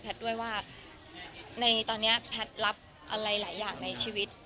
ด้วยว่าในตอนนี้แพทย์รับอะไรหลายอย่างในชีวิต